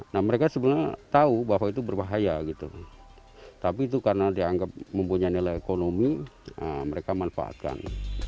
nah mereka sebenarnya tahu bahwa itu berbahaya gitu tapi itu karena dianggap mempunyai nilai ekonomi mereka manfaatkan